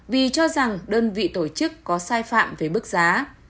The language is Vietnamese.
vì cho rằng đơn vị tổ chức có sai phạm với bức giá